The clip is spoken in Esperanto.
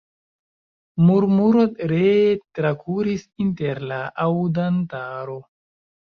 Murmuro ree trakuris inter la aŭdantaro.